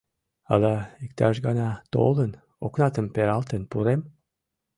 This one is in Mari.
— Ала иктаж гана, толын, окнатым пералтен пурем?